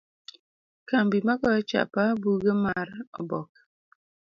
Kambi ma goyo chapa buge mar oboke.